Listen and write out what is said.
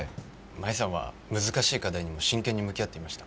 舞さんは難しい課題にも真剣に向き合っていました。